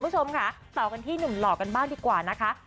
คุณผู้ชมค่ะต่อกันที่หนุ่มหล่อกันบ้างดีกว่านะคะ